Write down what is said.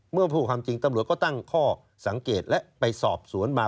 เมื่อพูดความจริงตำรวจก็ตั้งข้อสังเกตและไปสอบสวนมา